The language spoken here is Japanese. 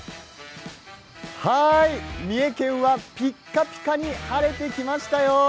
三重県はピカピカに晴れてきましたよ。